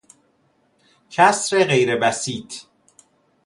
کسرغیربسیط